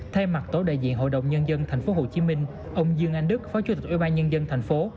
thay mặt tổ đại diện hội đồng nhân dân thành phố hồ chí minh ông dương anh đức phó chủ tịch ủy ban nhân dân thành phố